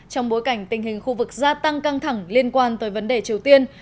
trong bối cảnh tình hình khu vực gia tăng căng thẳng liên quan tới vấn đề triều tiên